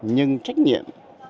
nhưng trách nhiệm